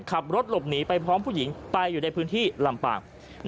ขับรถหลบหนีไปพร้อมผู้หญิงไปอยู่ในพื้นที่ลำปาง